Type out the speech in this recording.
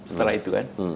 setelah itu kan